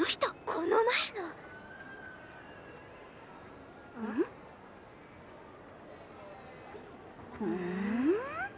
この前の。ん？んん？